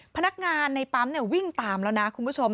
พนักงานในปั๊มวิ่งตามแล้วนะคุณผู้ชม